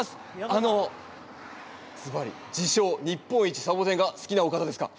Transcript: あのずばり自称日本一サボテンが好きなお方ですか？